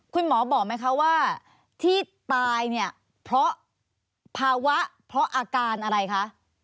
คุณหมอบอกไหมว่าที่ตายเพราะภาวะอาการอะไรคะ